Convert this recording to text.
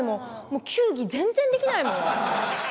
もう球技全然できないもん。